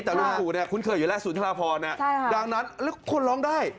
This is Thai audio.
แต่ลุงตู่เนี่ยคุ้นเคยอยู่และศุนธนภรคุณร้องได้